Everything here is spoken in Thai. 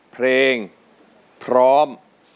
เพลงพร้อม